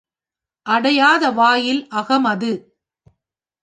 அடையாத வாயில் அகம் அது.